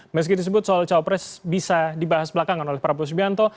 meski disebut soal cawapres bisa dibahas belakangan oleh prabowo subianto